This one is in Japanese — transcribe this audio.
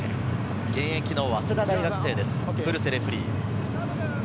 現役の早稲田大学生です、古瀬レフェリー。